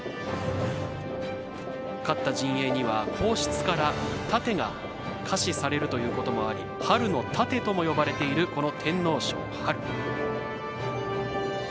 勝った陣営には皇室から盾がかされるということもあり春の盾とも呼ばれているこの天皇賞。